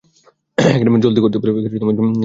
জলদি করতে বলো।